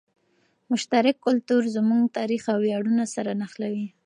مشترک کلتور زموږ تاریخ او ویاړونه سره نښلوي.